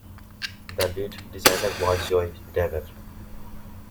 The lead designer was Joe Dever.